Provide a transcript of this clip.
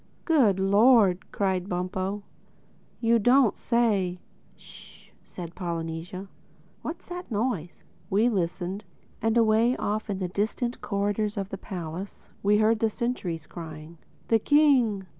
"Good Lord!" cried Bumpo. "You don't say!" "Sh!" said Polynesia. "What's that noise?" We listened; and away off in the distant corridors of the palace we heard the sentries crying, "The King!